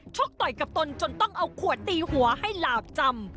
กต่อยกับตนจนต้องเอาขวดตีหัวให้หลาบจำ